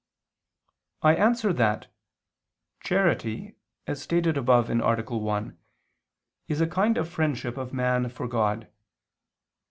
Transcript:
I answer that, Charity, as stated above (A. 1) is a kind of friendship of man for God.